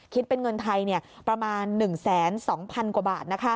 คิดเป็นเงินไทยประมาณ๑๒๐๐๐กว่าบาท